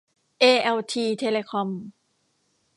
เอแอลที เทเลคอม